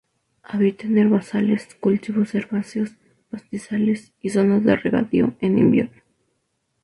Habita en herbazales, cultivos herbáceos, pastizales y zonas de regadío en invierno.